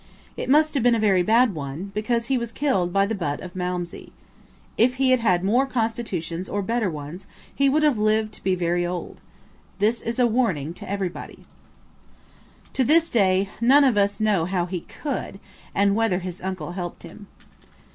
It must have been a very bad one, because he was killed by a butt of Malmsey. If he had had more constitutions or better ones he would have lived to be very old. This is a warning to everybody." To this day none of us know how he could, and whether his uncle helped him.